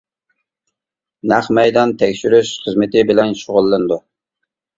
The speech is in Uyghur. نەق مەيدان تەكشۈرۈش خىزمىتى بىلەن شۇغۇللىنىدۇ.